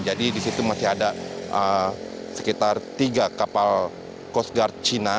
jadi di situ masih ada sekitar tiga kapal coast guard cina